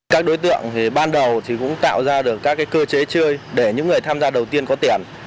các đối tượng thì ban đầu cũng tạo ra được các cơ chế chơi để những người tham gia đầu tiên có tiền